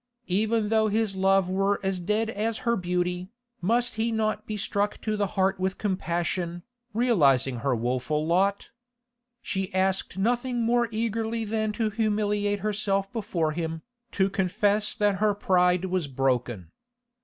Even though his love were as dead as her beauty, must he not be struck to the heart with compassion, realising her woeful lot? She asked nothing more eagerly than to humiliate herself before him, to confess that her pride was broken.